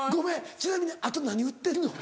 ちなみにあと何売ってんの？